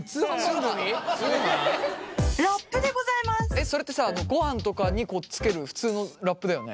えっそれってさごはんとかにこうつける普通のラップだよね？